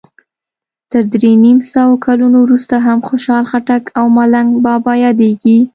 تر درې نیم سوو کلونو وروسته هم خوشال خټک او ملنګ بابا یادیږي.